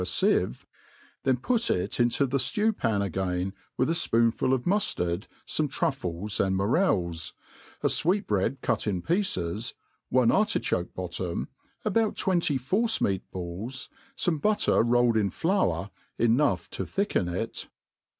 IN ANU EASY, ag fieve, then put it into the ftew*pan again, with a fpoonful of muftaid, fame truffles aqd morels, a fweet bread cut in pieces^ one artichoke bottom^ about twenty force meat balls, fome butter rolled in flour, enough* to thrcken it